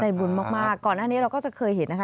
บุญมากก่อนหน้านี้เราก็จะเคยเห็นนะคะ